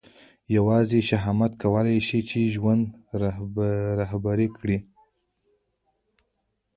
یوازې شهامت کولای شي چې ژوند رهبري کړي.